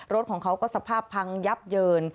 รถของเขาก็สภาพพังยับเยิน